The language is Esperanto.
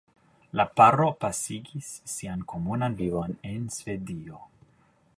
La paro pasigis sian komunan vivon en Svedio.